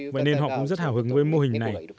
vậy nên họ cũng rất hào hứng với mô hình này